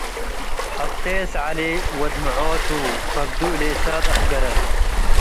ህብቴስ ዐሊ ወድ ምዖቱ - ከብዱ ለእሳት አፍገረት